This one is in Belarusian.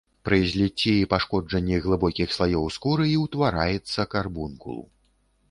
Пры зліцці і пашкоджанні глыбокіх слаёў скуры і ўтвараецца карбункул.